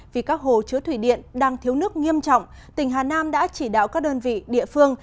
vì các hồ chứa thủy điện đang thiếu nước nghiêm trọng tỉnh hà nam đã chỉ đạo các đơn vị địa phương